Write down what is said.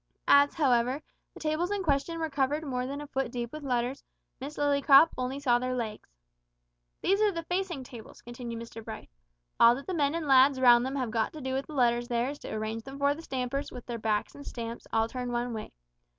As, however, the tables in question were covered more than a foot deep with letters, Miss Lillycrop only saw their legs. "These are the facing tables," continued Mr Bright. "All that the men and lads round 'em have got to do with the letters there is to arrange them for the stampers, with their backs and stamps all turned one way.